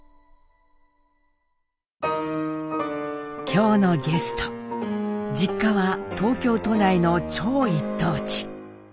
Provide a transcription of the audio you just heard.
今日のゲスト実家は東京都内の超一等地。